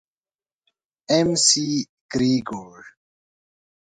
اېم سي ګرېګور.